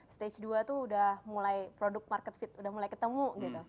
stage dua tuh udah mulai produk market fit udah mulai ketemu gitu